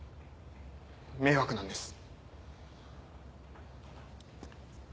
迷惑なんです。